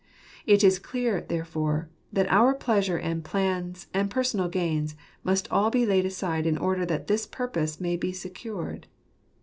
It is clear, therefore, that our pleasure and plans and personal gains must all be laid aside in order that this purpose may be secured.